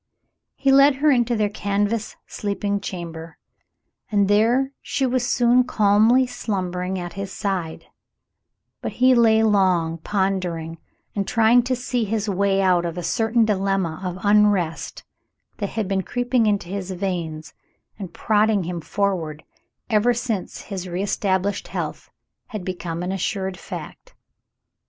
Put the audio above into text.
He led her into their canvas sleeping chamber, and there she was soon calmly slumbering at his side ; but he lay long pondering and trying to see his way out of a certain dilemma of unrest that had been creeping into his veins and prodding him forward ever since his reestablished health had become an assured fact.